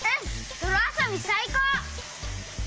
どろあそびさいこう！